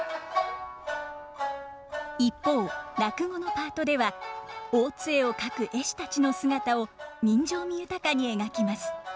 一方落語のパートでは大津絵を描く絵師たちの姿を人情味豊かに描きます。